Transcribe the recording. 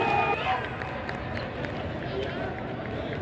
สวัสดีครับ